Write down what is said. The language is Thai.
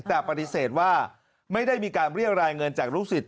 แต่ปฏิเสธว่าไม่ได้มีการเรียกรายเงินจากลูกศิษย